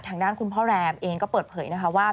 ทางด้านคุณพ่อแรมเองก็เปิดเผยนะคะว่า